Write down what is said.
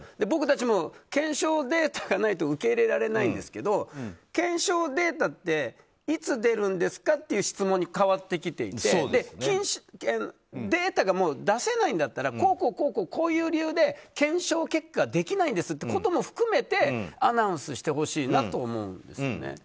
僕たちも検証データがないと受け入れられないんですけど検証データっていつ出るんですかっていう質問に変わってきていてデータがもう出せないんだったらこうこう、こういう理由で検証結果が出ないですということも含めてアナウンスしてほしいなと思うんですよね。